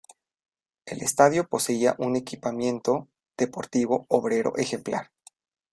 El estadio poseía un equipamiento deportivo obrero ejemplar.